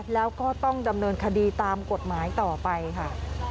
แล้วก็ต้องดำเนินคดีตามกฎหมายต่อไปค่ะ